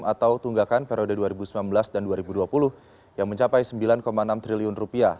atau tunggakan periode dua ribu sembilan belas dan dua ribu dua puluh yang mencapai rp sembilan enam triliun